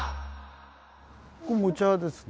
ここもお茶屋ですね。